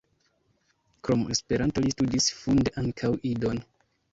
Krom Esperanto li studis funde ankaŭ Idon.